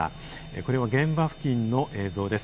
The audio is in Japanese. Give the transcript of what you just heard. これは現場付近の映像です。